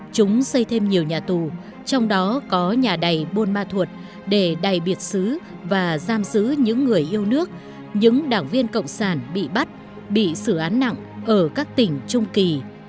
chúng xây thêm nhiều nhà tù trong đó có nhà đầy buôn ma thuột để đầy biệt xứ và giam giữ những người yêu nước những đảng viên cộng sản bị bắt bị xử án nặng ở các tỉnh trung kỳ